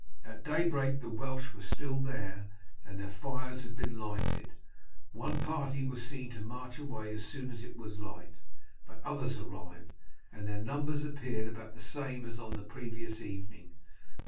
At daybreak the Welsh were still there, and their fires had been lighted: one party were seen to march away as soon as it was light, but others arrived, and their numbers appeared about the same as on the previous evening.